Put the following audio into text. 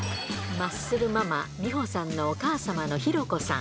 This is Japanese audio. マッスルママ、美保さんのお母様の浩子さん。